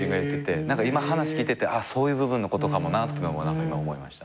今話聞いててあっそういう部分のことかもなっていうのを今思いました。